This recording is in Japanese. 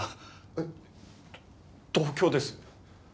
えっ？と東京です。